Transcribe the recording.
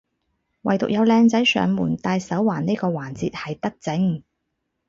惟獨有靚仔上門戴手環呢個環節係德政